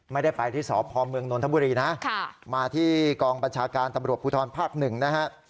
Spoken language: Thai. ไม่ได้ไปที่สพเมืองนนทบุรีนะมาที่กองบัญชาการตำรวจภูทรภาคหนึ่งนะฮะ